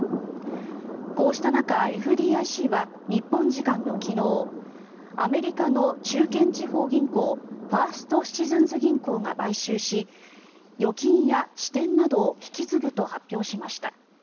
こうした中、ＦＤＩＣは日本時間の昨日アメリカの中堅地方銀行ファースト・シチズンズ銀行が買収し預金や支店などを引き継ぐと発表しました。